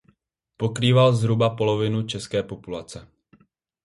Pokrýval zhruba polovinu české populace.